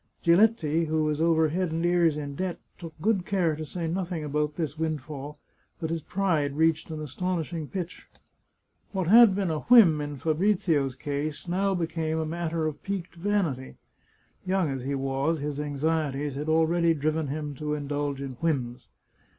Giletti, who was over head and ears in debt, took good care to say nothing about this windfall, but his pride reached an aston ishing pitch. What had been a whim in Fabrizio's case, now became a 157 The Chartreuse of Parma matter of piqued vanity. (Young as he was, his anxieties had already driven him to indulge in whims.)